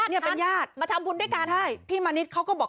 เนี่ยเป็นญาติมาทำบุญด้วยกันใช่พี่มณิชย์เขาก็บอก